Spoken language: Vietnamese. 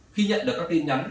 khi nhận được các tin nhắn